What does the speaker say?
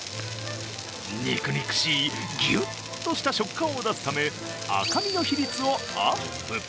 肉肉しいギュッとした食感を出すため赤身の比率をアップ。